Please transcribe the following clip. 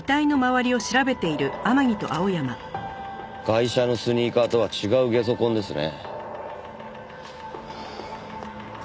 ガイシャのスニーカーとは違うゲソ痕ですね。